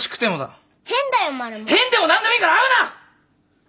変でも何でもいいから会うな！